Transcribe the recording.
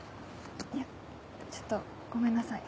いやちょっとごめんなさい。